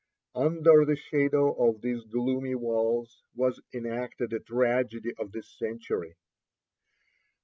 Under the shadow of these gloomy walls was enacted a tragedy of this century.